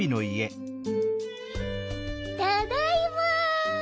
ただいま。